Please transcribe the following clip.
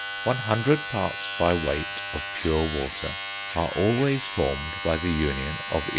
One hundred parts, by weight, of pure water are always formed by the union of 11.